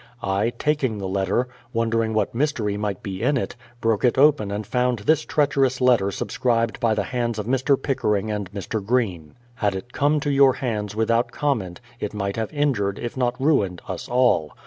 I, taking the letter, wondering what mystery might be in it, broke it open and found this treacherous letter subscribed by the hands of Mr. Pickering and Mr. Greene. Had it come to j'our hands without comment, it might have i'.ijnred, if not mined, us all.